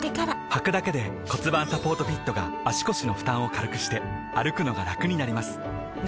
はくだけで骨盤サポートフィットが腰の負担を軽くして歩くのがラクになります